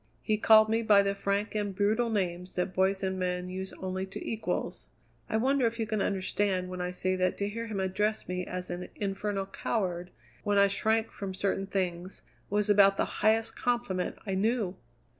He called me by the frank and brutal names that boys and men only use to equals. I wonder if you can understand when I say that to hear him address me as an infernal coward, when I shrank from certain things, was about the highest compliment I knew?"